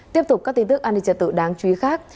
tiếp tục các tin tức an ninh trật tự đáng chú ý khác